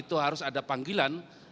itu harus ada panggilan